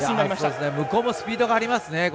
向こうもスピードがありますね。